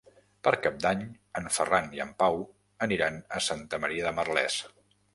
Per Cap d'Any en Ferran i en Pau aniran a Santa Maria de Merlès.